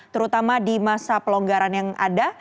terutama di masa pelonggaran yang ada